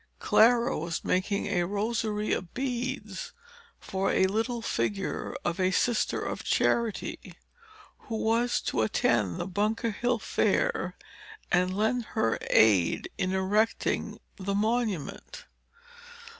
Clara was making a rosary of beads for a little figure of a Sister of Charity, who was to attend the Bunker Hill Fair, and lend her aid in erecting the Monument.